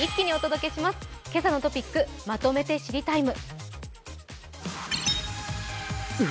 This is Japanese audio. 「けさのトピックまとめて知りＴＩＭＥ，」